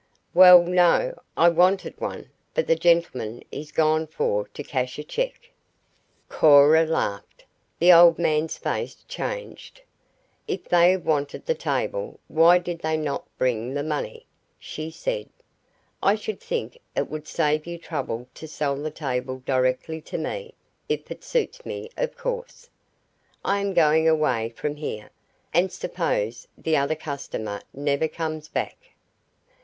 "Well, no. I wanted one, but the gentleman is gone for to cash a check " Cora laughed. The old man's face changed. "If they wanted the table why did they not bring the money?" she said. "I should think it would save you trouble to sell the table directly to me if it suits me, of course. I am going away from here, and suppose the other customer never comes back?"